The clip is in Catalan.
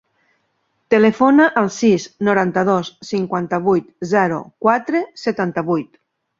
Telefona al sis, noranta-dos, cinquanta-vuit, zero, quatre, setanta-vuit.